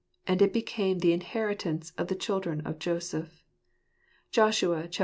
. and it became the inheritance of the children of Joseph" (Josh. xxiv.